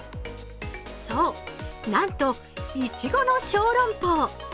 そう、なんといちごの小籠包。